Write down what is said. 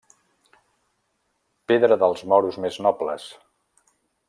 Pedra dels moros més nobles.